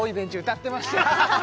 歌ってましたよ